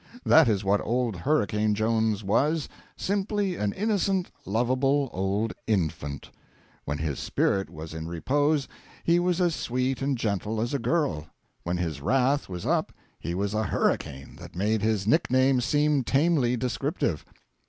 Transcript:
That is what old Hurricane Jones was simply an innocent, lovable old infant. When his spirit was in repose he was as sweet and gentle as a girl; when his wrath was up he was a hurricane that made his nickname seem tamely descriptive.